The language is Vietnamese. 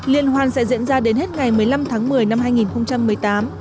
liên hoan sẽ diễn ra đến hết ngày một mươi năm tháng một mươi năm hai nghìn một mươi tám